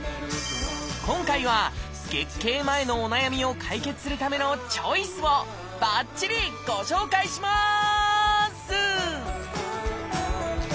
今回は月経前のお悩みを解決するためのチョイスをばっちりご紹介します！